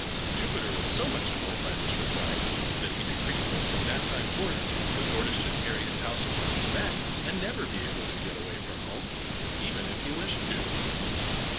Jupiter was so much annoyed by this reply that he decreed that from that time forth the Tortoise should carry his house upon his back, and never be able to get away from home even if he wished to.